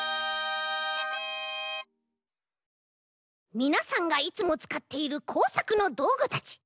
みなさんがいつもつかっているこうさくのどうぐたち。